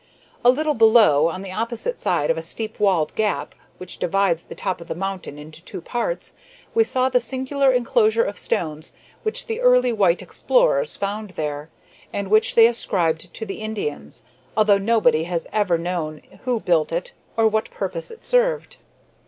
A little below, on the opposite side of a steep walled gap which divides the top of the mountain into two parts, we saw the singular enclosure of stones which the early white explorers found there, and which they ascribed to the Indians, although nobody has ever known who built it or what purpose it served.